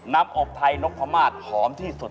นับอพไทยนกพรหมาสาวมันหอมที่สุด